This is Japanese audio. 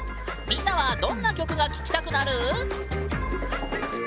みんなはどんな曲が聴きたくなる？